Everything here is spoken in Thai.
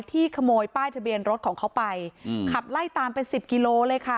ขโมยป้ายทะเบียนรถของเขาไปขับไล่ตามเป็นสิบกิโลเลยค่ะ